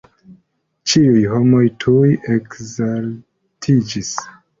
Ĉiuj homoj tuj ekzaltiĝis.